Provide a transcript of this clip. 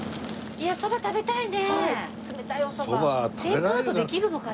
いや！おそば食べたいよ！